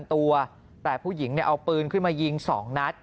แต่ผู้หญิงเนี่ยเอาปืนขึ้นมายิง๒นัด